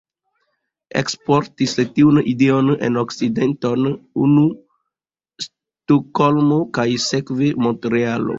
Eksportis tiun ideon en Okcidenton, unue Stokholmo, kaj sekve Montrealo.